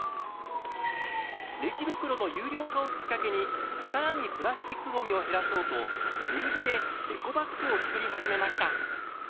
レジ袋の有料化をきっかけに更にプラスチックごみを減らそうと古着でエコバッグを作り始めました。